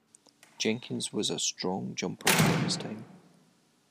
Jenkins was a strong jumper for his time.